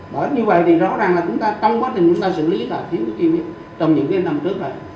bởi như vậy thì rõ ràng là trong quá trình chúng ta xử lý là thiếu quyết truyền viên trong những cái năm trước rồi